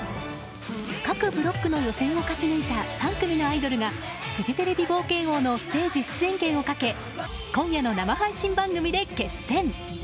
各ブロックの予選を勝ち抜いた３組のアイドルがフジテレビ冒険王のステージ出演権をかけ今夜の生配信番組で決戦。